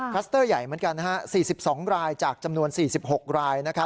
คัสเตอร์ใหญ่เหมือนกัน๔๒รายจากจำนวน๔๖ราย